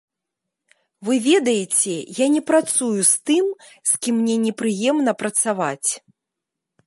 Вы ведаеце, я не працую з тым, з кім мне непрыемна працаваць.